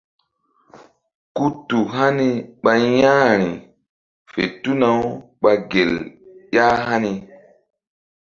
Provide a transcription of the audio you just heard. Ku tu hani ɓa ƴa̧h ri fe tuna-u ɓa gel ƴah hani.